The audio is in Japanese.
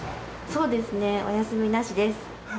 そうですね、お休みなしです。